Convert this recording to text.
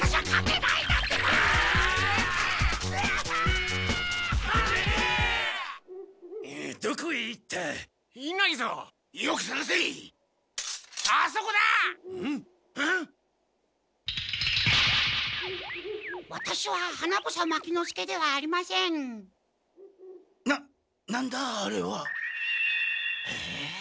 なっなんだあれは。